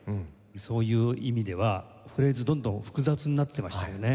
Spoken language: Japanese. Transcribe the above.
そういう意味ではフレーズどんどん複雑になってましたよね。